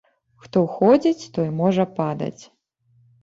Хто ходзіць, той можа падаць.